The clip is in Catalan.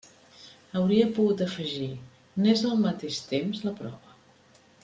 Hauria pogut afegir: n'és al mateix temps la prova.